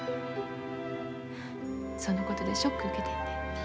そのことでショック受けてるねん。